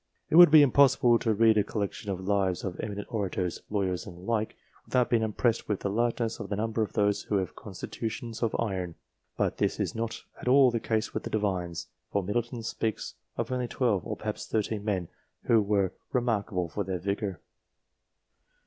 It would be impossible to read a collection of lives of eminent orators, lawyers, and the like, without being impressed with the largeness of the number of those who have constitutions of iron ; but this is not at all the case with the Divines, for Middleton speaks of only 12, or perhaps 13 men who were remarkable for their vigour.